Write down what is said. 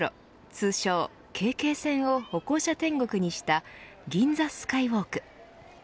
通称ＫＫ線を歩行者天国にした銀座スカイウォーク。